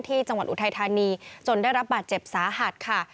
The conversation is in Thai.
ที่จังหวัดอุทธายธานีจนได้รับบาดเจ็บสาหัตย์ค่ะ